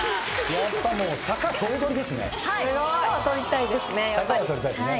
やっぱ坂総取りですね。